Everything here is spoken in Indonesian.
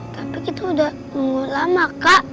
tapi kita udah nunggu lama kak